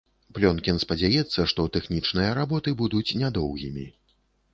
Плёнкін спадзяецца, што тэхнічныя работы будуць не доўгімі.